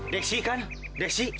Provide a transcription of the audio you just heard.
desi kan desi